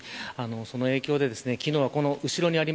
その影響で、昨日はこの後ろにある